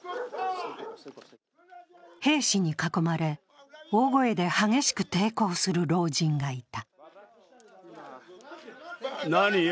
兵士に囲まれ大声で激しく抵抗する老人がいた。